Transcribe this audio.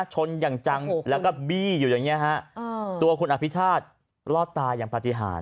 ชนอย่างจังแล้วก็บี้อยู่อย่างเงี้ฮะตัวคุณอภิชาติรอดตายอย่างปฏิหาร